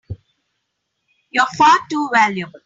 You're far too valuable!